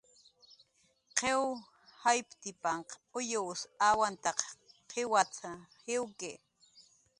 "Qiw jayptipan uyws awantaq qiwat"" jiwki "